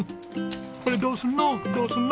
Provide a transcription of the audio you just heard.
これどうすんの？